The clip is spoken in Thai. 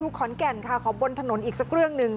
ขอนแก่นค่ะขอบนถนนอีกสักเรื่องหนึ่ง